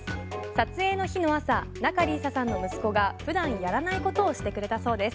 撮影の日の朝仲里依紗さんの息子が普段やらないことをしてくれたそうです。